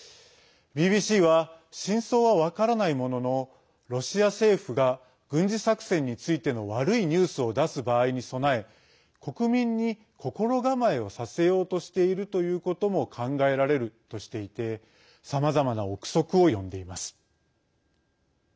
ＢＢＣは真相は分からないもののロシア政府が軍事作戦についての悪いニュースを出す場合に備え国民に心構えをさせようとしているということも考えられるとしていてさまざまな憶測を呼んでいます。